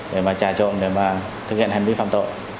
để mà trà trộn để mà thực hiện hành vi phạm tội